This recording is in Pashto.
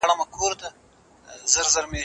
فکر بايد پر منطق باندې ولاړ وي.